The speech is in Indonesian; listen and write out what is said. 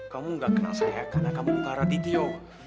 kamu gak kenal saya karena kamu bukan radityo